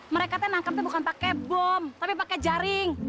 mereka teh nangkapnya bukan pakai bom tapi pakai jaring